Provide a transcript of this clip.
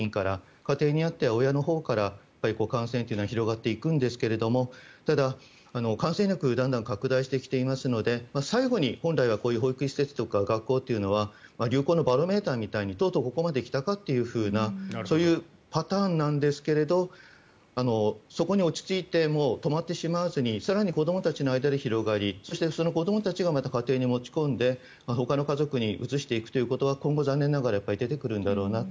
家庭にあっては親のほうから感染というのは広がっていくんですがただ、感染力がだんだん拡大してきていますので最後に本来はこういう保育施設とか学校というのは流行のバロメーターみたいにとうとうここまで来たかというそういうパターンなんですがそこに落ち着いてもう止まってしまわずに更に子どもたちの間で広がりそして、その子どもたちがまた家庭に持ち込んでほかの家族にうつしていくということは今後残念ながら出てくるんだろうなと。